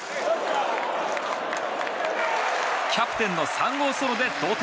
キャプテンの３号ソロで同点。